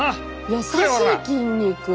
優しい筋肉！